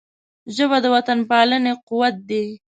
ژبه د وطنپالنې قوت دی